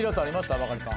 バカリさん。